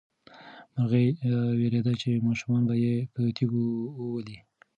مرغۍ وېرېده چې ماشومان به یې په تیږو وولي.